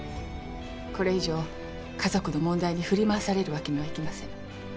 これ以上家族の問題に振り回されるわけにはいきません。